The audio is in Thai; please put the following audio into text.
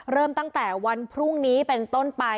เริ่มตั้งแต่วันพรุ่งนี้เป็นต้นไป